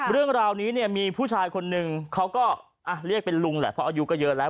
เรื่องราวนี้เนี่ยมีผู้ชายคนนึงเขาก็เรียกเป็นลุงแหละเพราะอายุก็เยอะแล้ว